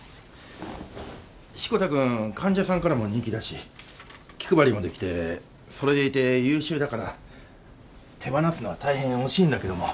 志子田君患者さんからも人気だし気配りもできてそれでいて優秀だから手放すのは大変惜しいんだけども。